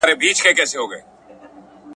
تاسو غواړئ له کوم ډول ښه خلکو سره وګورئ؟